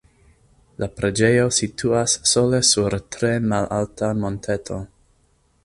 La preĝejo situas sola sur tre malalta monteto.